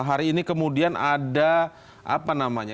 hari ini kemudian ada apa namanya